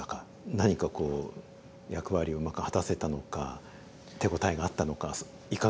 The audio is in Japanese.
何かこう役割をうまく果たせたのか手応えがあったのかいかがでしたか？